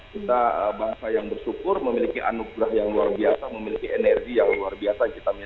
kita bangsa yang bersyukur memiliki anugerah yang luar biasa memiliki energi yang luar biasa